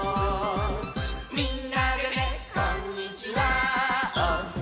「みんなでねこんにちわお！」